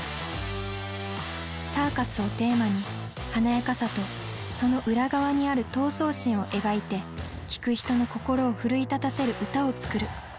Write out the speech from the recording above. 「サーカス」をテーマに華やかさとその裏側にある闘争心を描いて聴く人の心を奮い立たせる歌を作る。